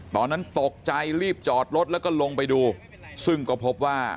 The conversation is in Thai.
ตอนนั้นตกใจรีบจอดรถแล้วก็ลงไปดูซึ่งก็พบว่า